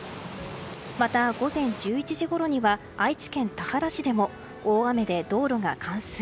また、午前１１時ごろには愛知県田原市でも大雨で道路が冠水。